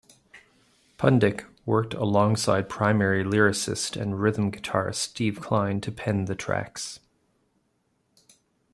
Pundik worked alongside primary lyricist and rhythm guitarist Steve Klein to pen the tracks.